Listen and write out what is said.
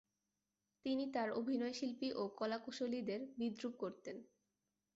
তিনি তার অভিনয়শিল্পী ও কলাকুশলীদের বিদ্রুপ করতেন।